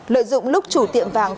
lợi dụng lúc chủ tiệm vàng